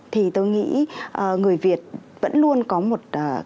thì tôi nghĩ người việt vẫn luôn có một